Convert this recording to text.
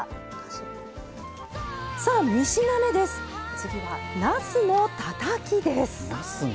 次はなすのたたき！